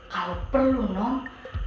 kalau perlu nona